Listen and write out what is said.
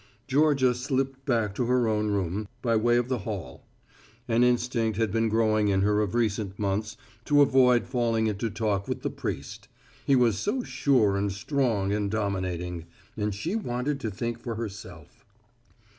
Georgia slipped back to her own room, by way of the hall. An instinct has been growing in her of recent months to avoid falling into talk with the priest. He was so sure and strong and dominating; and she wanted to think for herself.